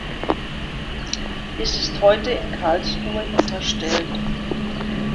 Es ist heute in Karlsruhe hinterstellt.